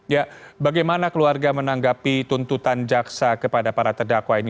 ya bagaimana keluarga menanggapi tuntutan jaksa kepada para terdakwa ini